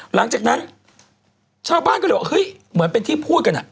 หลังจากนั้นชาวบ้านก็เลยบอกเฮ้ยเหมือนเป็นที่พูดกัน